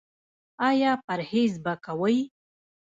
ایا پرهیز به کوئ؟